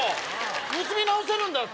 結び直せるんだ。